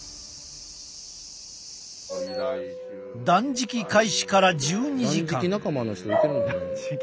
断食開始から１２時間。